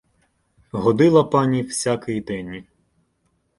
Годила пані всякий день.